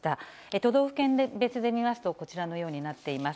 都道府県別で見ますと、こちらのようになっています。